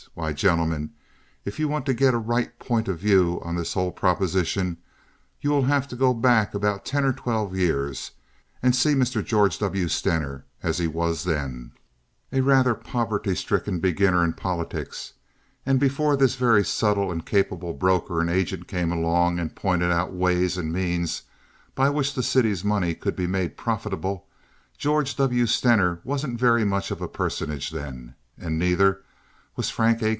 Why, gentlemen, if you want to get a right point of view on this whole proposition you will have to go back about ten or twelve years and see Mr. George W. Stener as he was then, a rather poverty stricken beginner in politics, and before this very subtle and capable broker and agent came along and pointed out ways and means by which the city's money could be made profitable; George W. Stener wasn't very much of a personage then, and neither was Frank A.